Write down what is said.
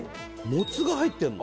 モツが入ってんの？